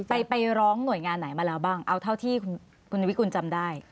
ไปร้องหน่วยงานไหนมาแล้วบ้างเอาเท่าที่คุณวิกุลจำได้